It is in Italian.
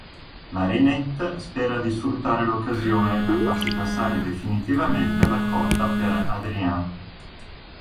Marinette spera di sfruttare l'occasione per farsi passare definitivamente la cotta per Adrien.